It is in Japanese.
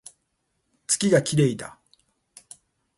月が綺麗だ